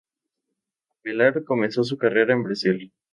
Avelar comenzó su carrera en Brasil.